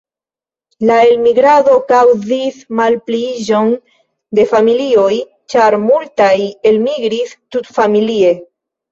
La elmigrado kaŭzis malpliiĝon de familioj, ĉar multaj elmigris tutfamilie.